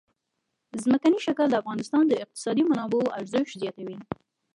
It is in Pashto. ځمکنی شکل د افغانستان د اقتصادي منابعو ارزښت زیاتوي.